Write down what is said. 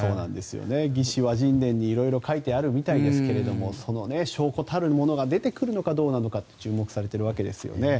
「魏志倭人伝」に色々書いてあるみたいですがその証拠たるものが出てくるのかどうなのかと注目されているわけですよね。